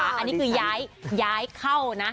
อันนี้คือย้ายเข้านะ